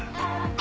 あ！